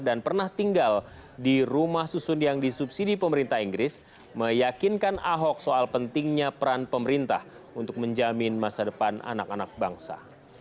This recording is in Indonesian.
dan pernah tinggal di rumah susun yang disubsidi pemerintah inggris meyakinkan ahok soal pentingnya peran pemerintah untuk menjamin masa depan anak anak bangsa